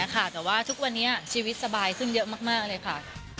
แต่ว่าทุกวันนี้ชีวิตสบายขึ้นเยอะมากเลยค่ะ